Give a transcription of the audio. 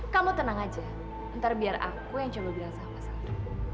kamu tenang aja ntar biar aku yang coba bilang sama saya